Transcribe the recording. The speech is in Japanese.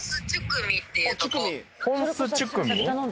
ホンスチュクミ？